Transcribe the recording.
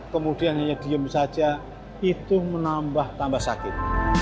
kemudian hanya diem saja itu menambah tambah sakit